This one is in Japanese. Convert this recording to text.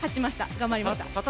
頑張りました。